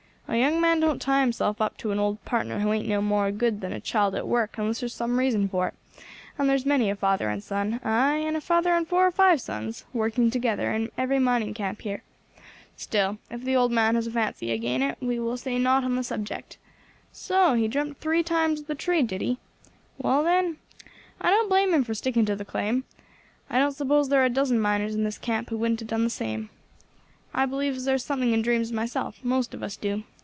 A young man don't tie himself to an old partner who ain't no more good than a child at work unless there's some reason for it, and there's many a father and son, aye, and a father and four or five sons, working together in every mining camp here. Still, if the old man has a fancy agin it we will say nought on the subject. So he dreamt three times of the tree, did he? Well, then, I don't blame him for sticking to the claim; I don't suppose there are a dozen miners in this camp who wouldn't have done the same. I believes there's something in dreams myself; most of us do.